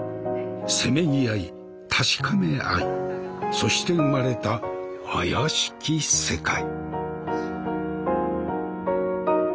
せめぎ合い確かめ合いそして生まれた「妖しき世界」。